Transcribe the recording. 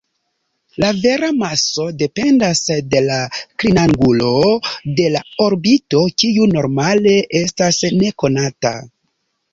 La vera maso dependas de la klinangulo de la orbito, kiu normale estas nekonata.